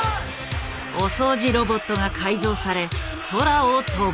お掃除ロボットが改造され空を飛ぶ。